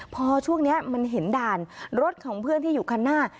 พอช่วงนี้มันเห็นด่านรถของเพื่อนที่อยู่คันหน้า